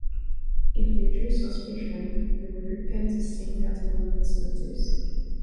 If they drew suspicion, they were prepared to sing at a moment's notice.